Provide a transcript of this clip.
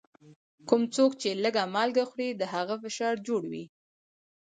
کوم څوک چي لږ مالګه خوري، د هغه فشار جوړ وي.